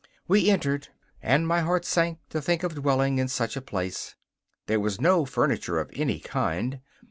We entered, and my heart sank to think of dwelling in such a place. There was no furniture of any kind.